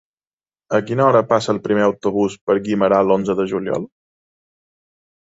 A quina hora passa el primer autobús per Guimerà l'onze de juliol?